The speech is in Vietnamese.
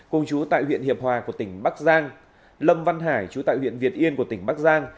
cùng chú tại huyện hiệp hòa của tỉnh bắc giang lâm văn hải chú tại huyện việt yên của tỉnh bắc giang